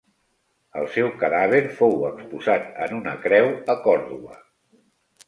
El seu cadàver fou exposat en una creu a Còrdova.